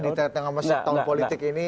di tengah tengah setahun politik ini